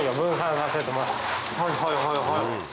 はいはいはいはい。